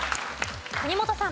国本さん。